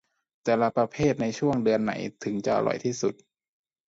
แต่ละประเภทในช่วงเดือนไหนถึงจะอร่อยที่สุด